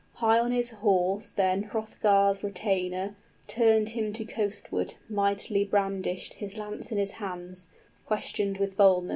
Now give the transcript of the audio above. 45 High on his horse then Hrothgar's retainer Turned him to coastward, mightily brandished His lance in his hands, questioned with boldness.